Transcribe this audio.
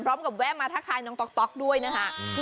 พร้อมกับแวะมาทักทายน้องต๊อกด้วยนะคะ